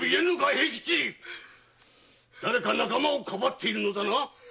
平吉だれか仲間をかばっているのだな